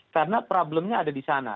karena problemnya ada di sana